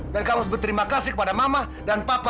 dan kamu harus berterima kasih kepada mama dan papa